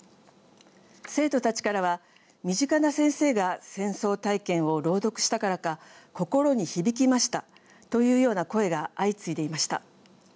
生徒たちからは身近な先生が戦争体験を朗読したからか心に響きましたというような声が相次いでいました。